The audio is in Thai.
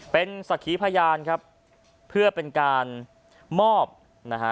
เป็นสักขีพยานครับเพื่อเป็นการมอบนะฮะ